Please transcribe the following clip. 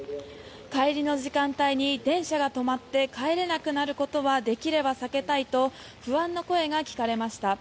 帰りの時間帯に電車が止まって帰れなくなることはできれば避けたいと不安の声が聞かれました。